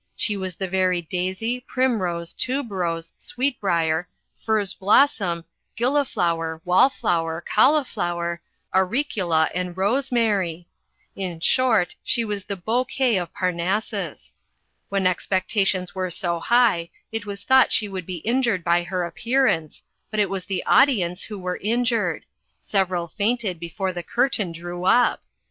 She was the very daisy, primrose, tuberose, sweet brier, furze blossom, gilliflower, wall flower, cauliflower, auricula, and rosemary! In short, she was the bouquet of Parnassus! When expectations were so high, it was thought she would be injured by her appearance, but it was the audience who were injured: several fainted before the curtain drew up!